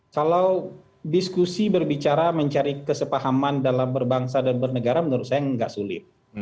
kalau diskusi berbicara mencari kesepahaman dalam berbangsa dan bernegara menurut saya nggak sulit